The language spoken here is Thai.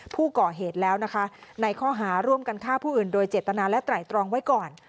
ผู้ก่อเหตุแล้วนะคะในข้อหาร่วมกันฆ่าผู้อื่นโดยเจตนาและไตรตรองไว้ก่อน